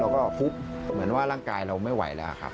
ฟุบเหมือนว่าร่างกายเราไม่ไหวแล้วครับ